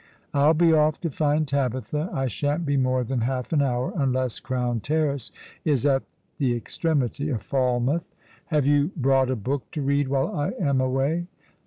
I'll be off to find Tabitha. I shan't be more than half an hour, unless Crown Terrace is at the ex tremity of Falmouth. Have you brought a book to read while I am away